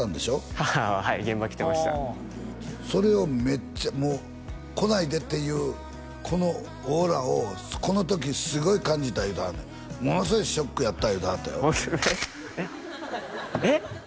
母ははい現場来てましたそれをめっちゃもう来ないでっていうこのオーラをこの時すごい感じた言うてはんねんものすごいショックやった言うてはったよえっえっ！？